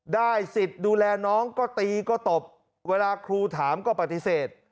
ได้สิทธิ์ดูแลน้องก็ตีก็ตบเวลาครูถามก็ปฏิเสธ